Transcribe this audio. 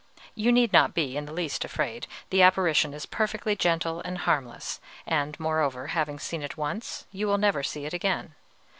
You need not be in the least afraid, the apparition is perfectly gentle and harmless; and, moreover, having seen it once, you will never see it again.